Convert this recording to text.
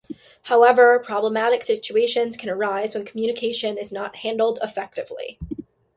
However, problematic situations can arise when communication is not handled effectively.